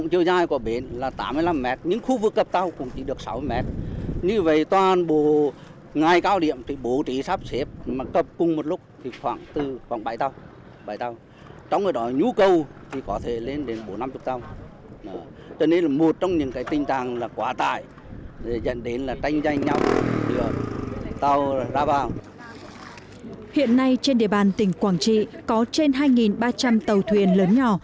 hiện nay trên địa bàn tỉnh quảng trị có trên hai ba trăm linh tàu thuyền lớn nhỏ